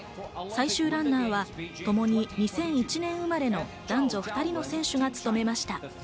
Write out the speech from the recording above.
最終ランナーはともに２００１年生まれの男女２人の選手が務めました。